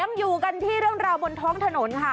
ยังอยู่กันที่เรื่องราวบนท้องถนนค่ะ